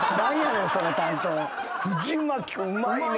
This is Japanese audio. うまいね。